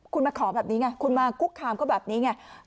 คุณมาขอแบบนี้ไงคุณมาคุกคามเขาแบบนี้ไง